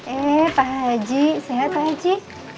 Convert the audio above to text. ini pak haji sehat pak haji